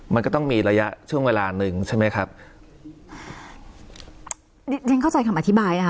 มันก็ต้องมีระยะช่วงเวลาหนึ่งใช่ไหมครับดิฉันเข้าใจคำอธิบายนะคะ